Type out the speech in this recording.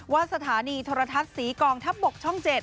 สถานีโทรทัศน์ศรีกองทัพบกช่อง๗